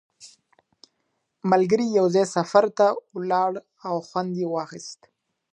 ملګري یو ځای سفر ته ولاړل او خوند یې واخیست